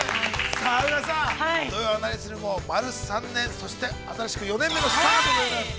さあ宇賀さん、「土曜はナニする！？」も、丸３年、新しく４年目のスタートでございます。